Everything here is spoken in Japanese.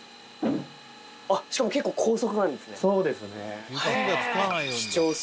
あっ、しかも結構高速そうですね。